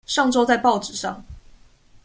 上週在報紙上